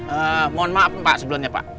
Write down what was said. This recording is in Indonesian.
eee mohon maaf pak sebelumnya pak